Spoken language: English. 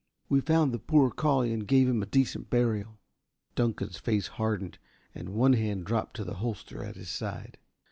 "We found the poor collie and gave him a decent burial." Dunkan's face hardened and one hand dropped to the holster at his side.